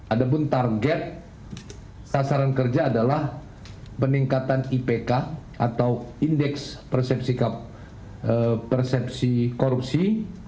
ada pun target sasaran kerja adalah peningkatan ipk atau indeks persepsi persepsi korupsi